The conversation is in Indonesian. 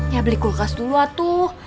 ya beli kulkas dulu atau